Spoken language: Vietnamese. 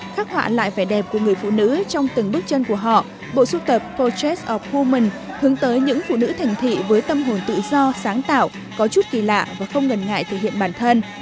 khắc họa lại vẻ đẹp của người phụ nữ trong từng bước chân của họ bộ sưu tập postreet of human hướng tới những phụ nữ thành thị với tâm hồn tự do sáng tạo có chút kỳ lạ và không ngần ngại thể hiện bản thân